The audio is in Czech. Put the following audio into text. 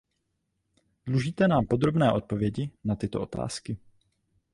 Dlužíte nám podrobné odpovědi na tyto otázky.